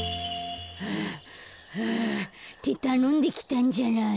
はあはあってたのんできたんじゃない。